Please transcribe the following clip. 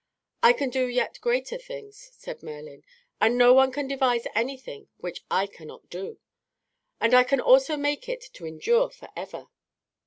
"I can do yet greater things," said Merlin, "and no one can devise anything which I cannot do, and I can also make it to endure forever."